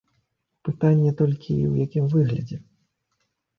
Пытанне толькі, у якім выглядзе.